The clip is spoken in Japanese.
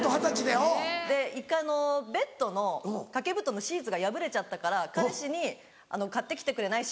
で１回ベッドの掛け布団のシーツが破れちゃったから彼氏に「買って来てくれない？